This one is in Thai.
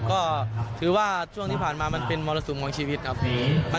ก็ถือว่าช่วงที่ผ่านมามันเป็นมรสุมของชีวิตครับ